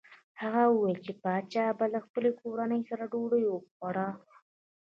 هغه وايي چې پاچا به له خپلې کورنۍ سره ډوډۍ خوړه.